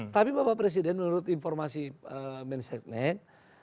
tapi bapak presiden menurut informasi menseknek